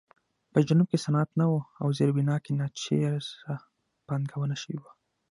په جنوب کې صنعت نه و او زیربنا کې ناچیزه پانګونه شوې وه.